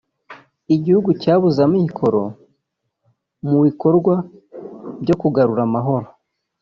Igihugu cyabuze amikoro mu bikorwa byo kugarura amahoro